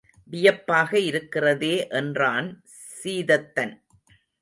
வியப்பாக இருக்கிறதே என்றான் சீதத்தன்.